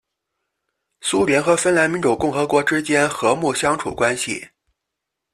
苏联和芬兰民主共和国之间和睦相处关系。